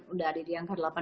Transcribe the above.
udah ada di angka delapan